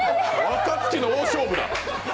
若槻の大勝負だ。